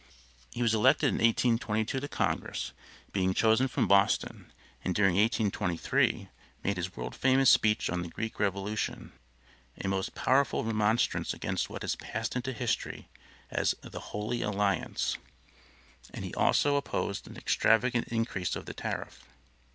He was elected in 1822 to congress, being chosen from Boston, and during 1823 made his world famous speech on the Greek revolution; a most powerful remonstrance against what has passed into history as "The holy alliance," and he also opposed an extravagant increase of the tariff.